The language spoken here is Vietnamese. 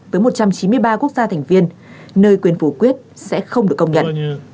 với một trăm chín mươi ba quốc gia thành viên nơi quyền phủ quyết sẽ không được công nhận